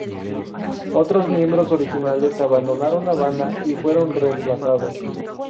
Otros miembros originales abandonaron la banda y fueron reemplazados.